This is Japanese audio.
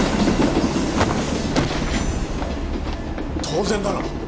当然だろ。